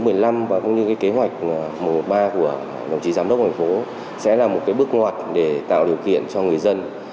từ số một mươi năm và cũng như cái kế hoạch mùa ba của đồng chí giám đốc thành phố sẽ là một cái bước ngoặt để tạo điều kiện cho người dân